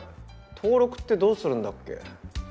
登録ってどうするんだっけ？